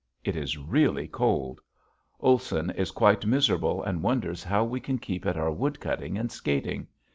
It is really cold. Olson is quite miserable and wonders how we can keep at our wood cutting and skating.